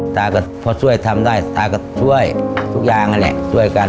ตาก็พอช่วยทำได้ตาก็ช่วยทุกอย่างนั่นแหละช่วยกัน